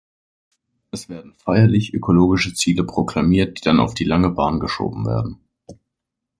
Es werden feierlich ökologische Ziele proklamiert, die dann auf die lange Bahn geschoben werden.